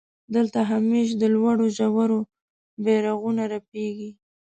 دلته همېش د لوړو ژورو بيرغونه رپېږي.